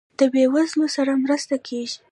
د بیوزلو سره مرسته کیږي؟